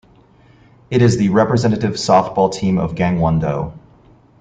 It is the representative softball team of Gangwon-do.